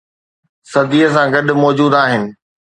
صديءَ سان گڏ موجود آهن